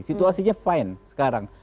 situasinya fine sekarang